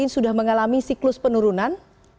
sudah mengalami siklus penurunan